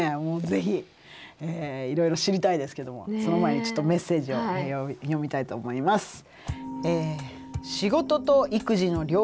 もう是非いろいろ知りたいですけどもその前にちょっとメッセージを読みたいと思います。